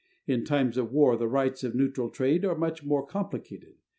In times of war, the rights of neutral trade are much more complicated.